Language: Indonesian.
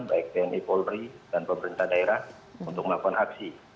baik tni polri dan pemerintah daerah untuk melakukan aksi